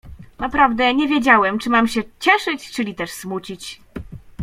"Naprawdę, nie wiedziałem, czy mam się cieszyć, czyli też smucić."